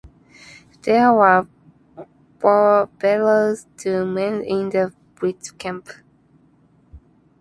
There were bellows to mend in the Birch camp.